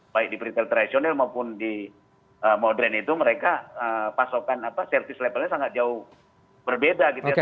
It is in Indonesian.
baik di retail tradisional maupun di modern itu mereka pasokan servis levelnya sangat jauh berbeda gitu ya